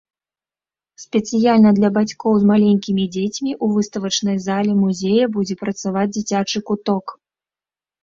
Спецыяльна для бацькоў з маленькімі дзецьмі, у выставачнай зале музея будзе працаваць дзіцячы куток.